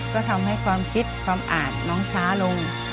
ก็ทำให้ความคิดความอาจน้องช้าลง